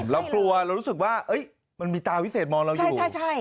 เรากลัวเรารู้สึกว่ามันมีตาวิเศษมองเราอยู่